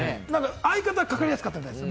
相方は、かかりやすかったです。